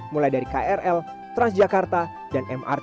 mulai dari krl transjakarta dan mrt